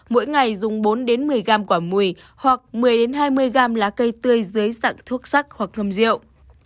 mỗi ngày dùng bốn một mươi g quả mùi hoặc một mươi hai mươi g lá cây tươi dưới sẵn thuốc sắc hoặc hâm rượu